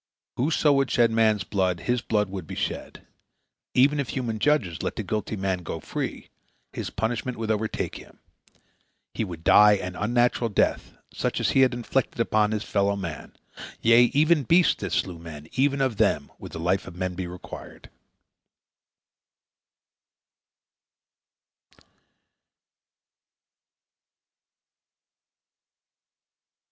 Whoso would shed man's blood, his blood would be shed. Even if human judges let the guilty man go free, his punishment would overtake him. He would die an unnatural death, such as he had inflicted upon his fellow man. Yea, even beasts that slew men, even of them would the life of men be required.